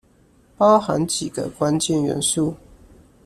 包含幾個關鍵元素